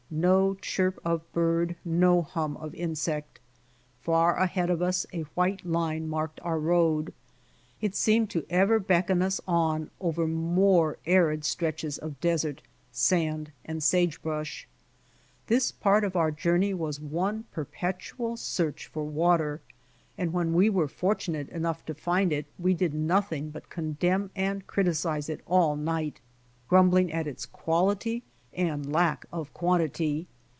No chirp of bird, no hum of insect. Far ahead of us a white line marked our road. It seemed to ever beckon us on over more arid stretches of des ert, sand and sage brush. This part of our journey was one perpetual search for water, and when we were fortunate enough to find it we did nothing but con demn and criticize it all night, grumbling at its qual ity and lack of quantity.